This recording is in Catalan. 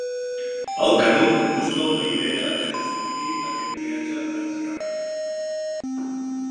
El Canut busca una idea que justifiqui aquest viatge atziac.